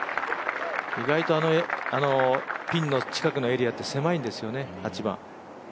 意外と、ピンの近くのエリアって、狭いんですよね、８番。